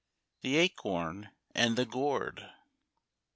THE ACORN AND THE GOURD.